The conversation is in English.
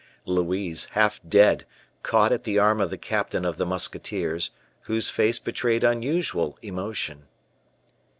Louise, half dead, caught at the arm of the captain of the musketeers, whose face betrayed unusual emotion.